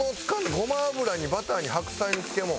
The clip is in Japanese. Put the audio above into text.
ごま油にバターに白菜の漬けもん。